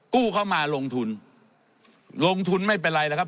กู้เข้ามาลงทุนลงทุนไม่เป็นไรแล้วครับ